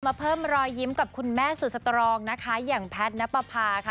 มาเพิ่มรอยยิ้มกับคุณแม่สุดสตรองนะคะอย่างแพทย์นับประพาค่ะ